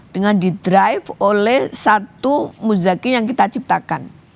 dengan didrive oleh satu muzaki yang kita ciptakan